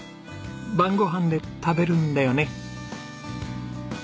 晩ごはんで食べるんだよね？